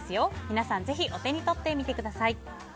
皆さんぜひお手に取ってみてください。